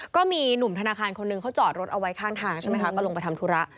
ก็มีหนุ่มธนาคารคนหนึ่งเขาจอดรถเอาไว้ข้างทางใช่ไหมคะก็ลงไปทำธุระ